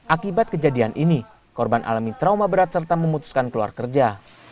akibat kejadian ini korban alami trauma berat serta memutuskan keluar kerja